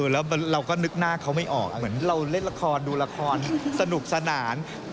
แล้วเราก็นึกหน้าเขาไม่ออกเหมือนเราเล่นละครดูละครสนุกสนาน